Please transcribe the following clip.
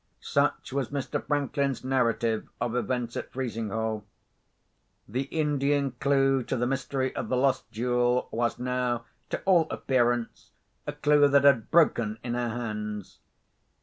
Such was Mr. Franklin's narrative of events at Frizinghall. The Indian clue to the mystery of the lost jewel was now, to all appearance, a clue that had broken in our hands.